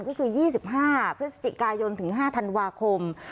ก็คือ๒๕พฤศจิกายนถึง๕ธันวาคม